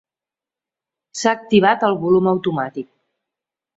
S'ha activat el volum automàtic.